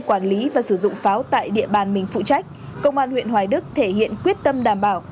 quản lý và sử dụng pháo tại địa bàn mình phụ trách công an huyện hoài đức thể hiện quyết tâm đảm bảo